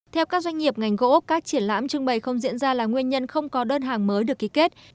theo các doanh nghiệp ngành gỗ các triển lãm trưng bày không diễn ra là nguyên nhân không có đơn hàng mới được ký kết